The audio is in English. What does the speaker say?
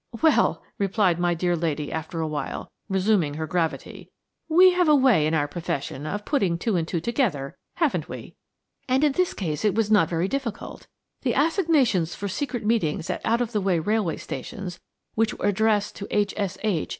"Well," replied my dear lady after awhile, resuming her gravity, "we have a way in our profession of putting two and two together, haven't we? And in this case it was not very difficult. The assignations for secret meetings at out of the way railway stations which were addressed to H. S. H.